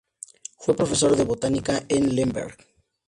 Fue profesor de Botánica en Lemberg.